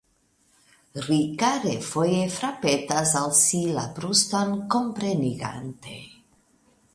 Rika refoje frapetas al si la bruston komprenigante.